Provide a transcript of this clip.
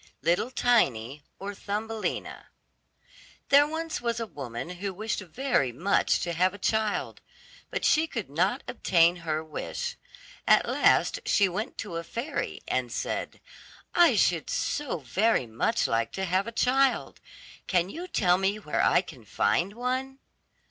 LITTLE TINY OR THUMBELINA There was once a woman who wished very much to have a little child, but she could not obtain her wish. At last she went to a fairy, and said, "I should so very much like to have a little child; can you tell me where I can find one?"